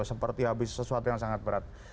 seperti habis sesuatu yang sangat berat